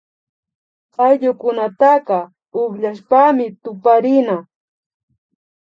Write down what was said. Ayllukunataka ukllashpami tuparina